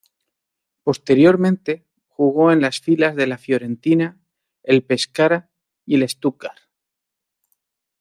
Posteriormente, jugó en las filas de la Fiorentina, el Pescara y el Stuttgart.